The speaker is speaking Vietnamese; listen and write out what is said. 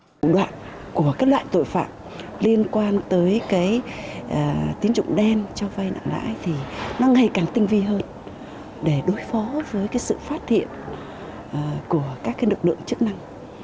thủ đoạn của các loại tội phạm liên quan tới tín dụng đen cho vai nặng lãi thì nó ngày càng tinh vi hơn để đối phó với sự phát hiện của các lực lượng chức năng